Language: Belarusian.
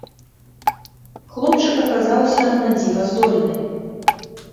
Хлопчык аказаўся надзіва здольны.